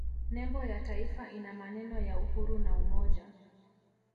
nembo ya taifa ina maneno ya uhuru na umoja